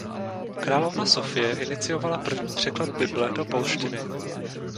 Královna Sofie iniciovala první překlad Bible do polštiny.